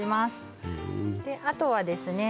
はいあとはですね